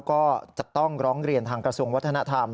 ก็จะต้องร้องเรียนทางกระทรวงวัฒนธรรม